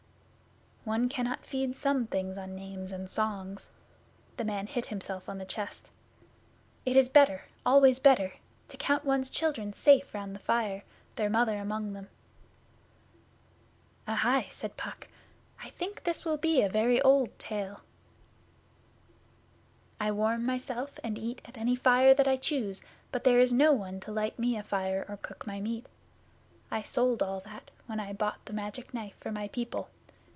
'One cannot feed some things on names and songs.' The man hit himself on the chest. 'It is better always better to count one's children safe round the fire, their Mother among them.' 'Ahai!' said Puck. 'I think this will be a very old tale.' 'I warm myself and eat at any fire that I choose, but there is no one to light me a fire or cook my meat. I sold all that when I bought the Magic Knife for my people.